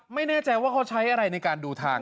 ไม่แน่ใจว่าเขาใช้อะไรในการดูทาง